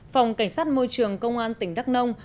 phòng cảnh sát môi trường công an tỉnh đắk nông